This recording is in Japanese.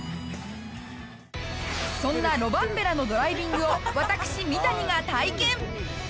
そんなロバンペラのドライビングを私三谷が体験